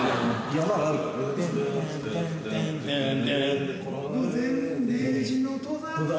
山あるよ